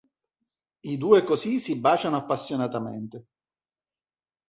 I due così si baciano appassionatamente.